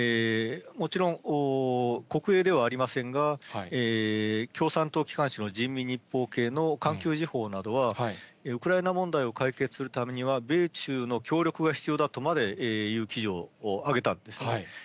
もちろん、国営ではありませんが、共産党機関紙の人民日報系のかんきゅうじほうなどは、ウクライナ問題を解決するためには、米中の協力が必要だとまでいう記事を上げたんですね。